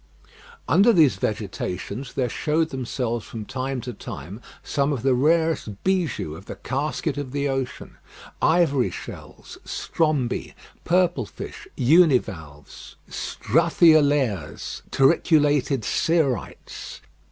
Under these vegetations there showed themselves from time to time some of the rarest bijoux of the casket of the ocean; ivory shells, strombi, purple fish, univalves, struthiolaires, turriculated cerites.